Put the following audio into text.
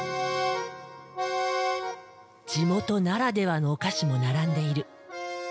地元ならではのお菓子も並んでいる。